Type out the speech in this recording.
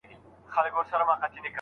چي لګیا یې دي ملګري په غومبرو